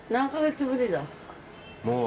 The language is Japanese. もう。